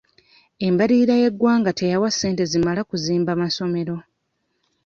Embalirira y'eggwanga teyawa ssente zimala kuzimba masomero.